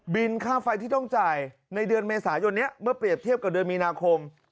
ค่าไฟที่ต้องจ่ายในเดือนเมษายนนี้เมื่อเปรียบเทียบกับเดือนมีนาคม